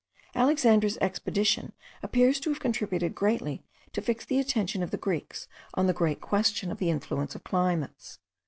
Alexander's expedition appears to have contributed greatly to fix the attention of the Greeks on the great question of the influence of climates.